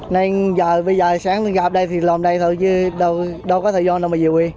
nên giờ sáng gặp đây thì lòm đây thôi chứ đâu có thời gian đâu mà dự quy